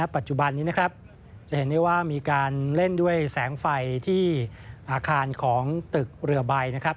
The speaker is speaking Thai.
ปัจจุบันนี้นะครับจะเห็นได้ว่ามีการเล่นด้วยแสงไฟที่อาคารของตึกเรือใบนะครับ